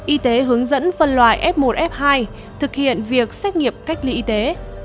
y tế hướng dẫn phân loại f một f hai thực hiện việc xét nghiệm cách ly y tế